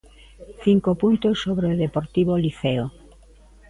Cinco puntos sobre o Deportivo Liceo.